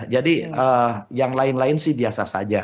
jadi yang lain lain sih biasa saja